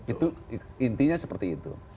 itu intinya seperti itu